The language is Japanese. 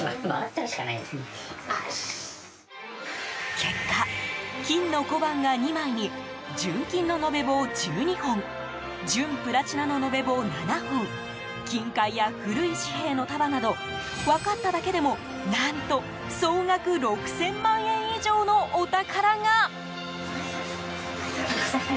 結果、金の小判が２枚に純金の延べ棒１２本純プラチナの延べ棒７本金塊や古い紙幣の束など分かっただけでも、何と総額６０００万円以上のお宝が。